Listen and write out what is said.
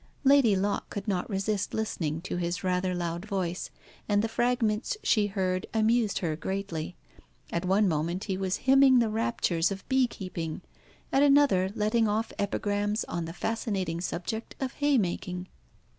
Lady Locke could not resist listening to his rather loud voice, and the fragments she heard amused her greatly. At one moment he was hymning the raptures of bee keeping, at another letting off epigrams on the fascinating subject of hay making.